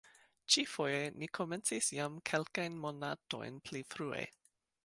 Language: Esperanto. Ĉi-foje ni komencis jam kelkajn monatojn pli frue.